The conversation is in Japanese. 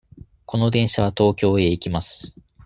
この電車は東京へ行きます。